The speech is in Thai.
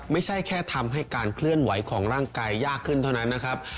ไม่ใช่แค่ทำให้การเคลื่อนไหวของร่างกายยากขึ้นเท่านั้นนะครับ